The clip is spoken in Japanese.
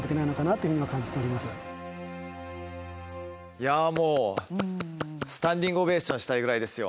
いやもうスタンディングオベーションしたいぐらいですよ。